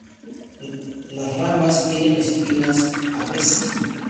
Las ramas tienen espinas, a veces.